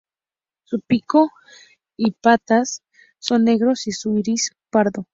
Su pico y patas son negros y su iris pardo.